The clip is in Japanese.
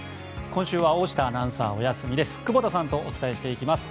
今週は大下アナウンサーお休みです。